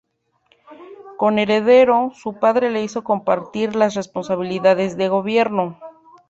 Como heredero, su padre le hizo compartir las responsabilidades de gobierno.